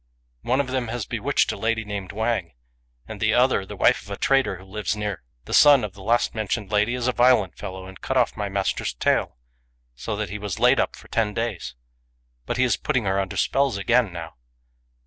" One of them has bewitched a lady named Wang ; and the other, the wife of a trader who lives near. The son of the last mentioned lady is a violent fellow, and cut off my master's tail, so that he was laid up for ten days. But he is putting her under spells again now."